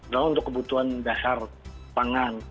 kalau untuk kebutuhan dasar pangan